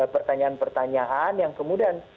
pertanyaan pertanyaan yang kemudian